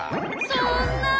そんな！